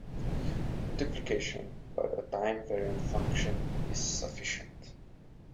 Multiplication by a time-variant function is sufficient.